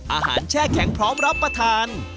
แช่แข็งพร้อมรับประทาน